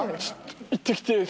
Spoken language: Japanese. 行ってきていい？